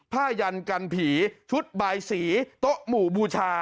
ยันกันผีชุดบายสีโต๊ะหมู่บูชา